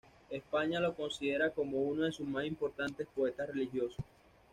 España lo considera como uno de sus más importantes poetas religiosos.